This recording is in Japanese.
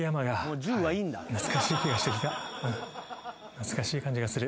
懐かしい感じがする。